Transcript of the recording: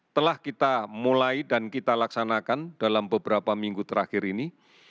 telah kita mulai dan kita laksanakan dalam beberapa minggu terakhir ini